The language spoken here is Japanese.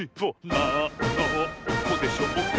なんのこでしょうか？